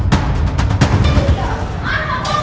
ตอนที่สุดมันกลายเป็นสิ่งที่ไม่มีความคิดว่า